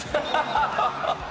ハハハハ！